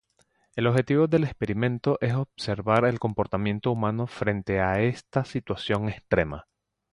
El objetivo del experimento es observar el comportamiento humano frente a esta situación extrema.